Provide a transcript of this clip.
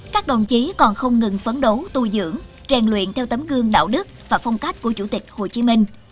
các đồng chí còn không ngừng phấn đấu tu dưỡng rèn luyện theo tấm gương đạo đức và phong cách của chủ tịch hồ chí minh